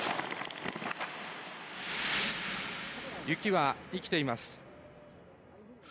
雪は生きています。